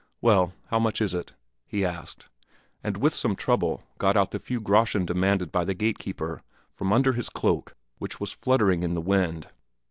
Well, how much is it?" he asked, and with some trouble got out the few groschen demanded by the gate keeper from under his cloak, which was fluttering in the wind.